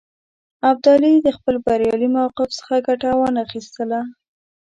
ابدالي د خپل بریالي موقف څخه ګټه وانه خیستله.